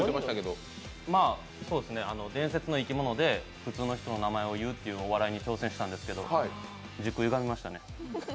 伝説の生き物で、普通の人の名前を言うっていうお笑いに挑戦したんですけど、時空ゆがみましたね。